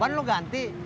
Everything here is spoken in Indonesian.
bukan lu ganti